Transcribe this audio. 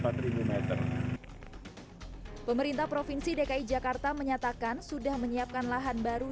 hai pemerintah provinsi dki jakarta menyatakan sudah menyiapkan lahan baru